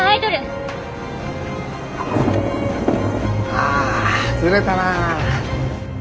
ああずれたなぁ。